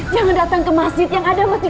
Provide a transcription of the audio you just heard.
jangan datang ke masjid yang ada masjid